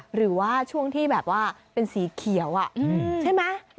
หรือว่าช่วงที่แบบว่าเป็นสีเขียวใช่ไหม